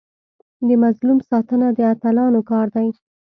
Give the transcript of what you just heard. د مظلوم ساتنه د اتلانو کار دی.